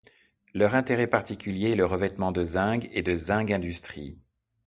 Leur intérêt particulier est le revêtements de zinc et de zinc industrie.